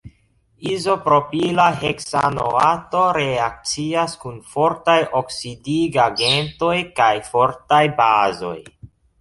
Izopropila heksanoato reakcias kun fortaj oksidigagentoj kaj fortaj bazoj.